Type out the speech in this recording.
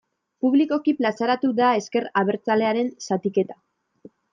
Publikoki plazaratu da ezker abertzalearen zatiketa.